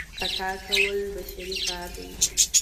خطا کول بشري کار دی.